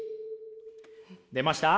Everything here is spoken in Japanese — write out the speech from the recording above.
出ました？